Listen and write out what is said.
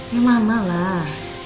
ya mama lah